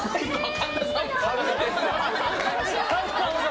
神田さんも？